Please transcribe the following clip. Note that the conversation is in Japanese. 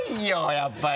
やっぱり。